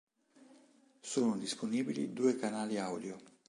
Sono disponibili due canali audio.